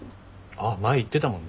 あっ前言ってたもんね。